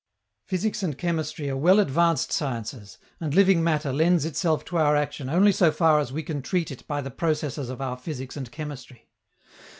Physics and chemistry are well advanced sciences, and living matter lends itself to our action only so far as we can treat it by the processes of our physics and chemistry.